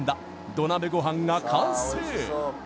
土鍋ご飯が完成